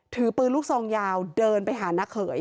ถือปืนลูกซองยาวเดินไปหาน้าเขย